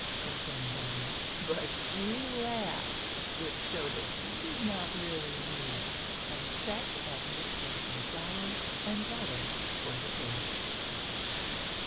complained Dinah, but she laughed, which showed that she did not really mean it, and set at mixing some flour and water for the paste.